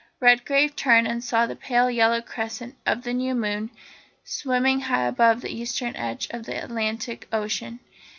Redgrave turned and saw the pale yellow crescent of the new moon swimming high above the eastern edge of the Atlantic Ocean.